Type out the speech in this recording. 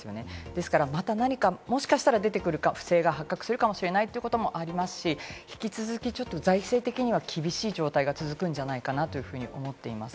ですからまた何か不正が発覚するかもしれないということもありますし、引き続きちょっと財政的には厳しい状態が続くんじゃないかなというふうに思っています。